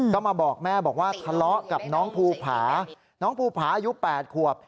ก็มาบอกแม่บอกว่าทะเลาะกับน้องภูรภาคอยู่แปดควบ